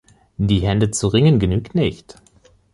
Die Hände zu ringen, genügt nicht.